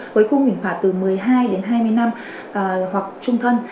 với khung hình phạt từ một mươi hai đến hai mươi năm hoặc trung thân